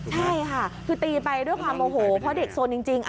ใช่ค่ะคือตีไปด้วยความโมโหเพราะเด็กสนจริง